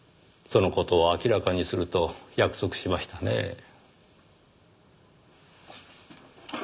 その事を明らかにすると約束しましたねぇ。